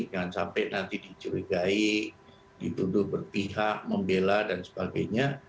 jangan sampai nanti dicurigai dituduh berpihak membela dan sebagainya